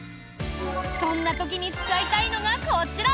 そんな時に使いたいのがこちら。